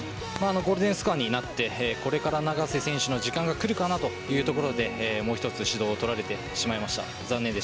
ゴールデンスコアになってこれから永瀬選手の時間が来るかなというところでもう１つ指導を取られてしまいました。